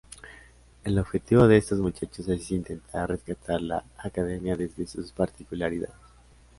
El objetivo de estos muchachos es intentar rescatar la academia desde sus particularidades.